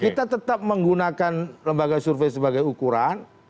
kita tetap menggunakan lembaga survei sebagai ukuran